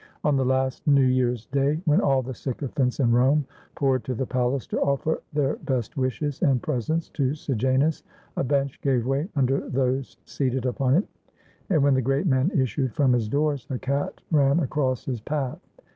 On the last New Year's Day, when all the sycophants in Rome poured to the palace to offer their best wishes and presents to Sejanus, a bench gave way under those 421 ROME seated upon it, and when the great man issued from his doors, a cat ran across his path.